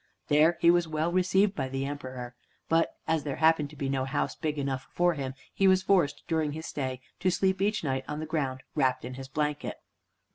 There he was well received by the Emperor. But as there happened to be no house big enough for him, he was forced, during his stay, to sleep each night on the ground, wrapped in his blanket.